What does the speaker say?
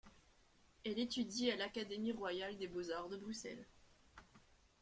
Elle étudie à l'Académie royale des beaux-arts de Bruxelles.